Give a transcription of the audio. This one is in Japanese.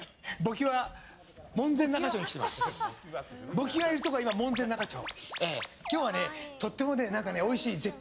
ぼきがいるところは今、門前仲町。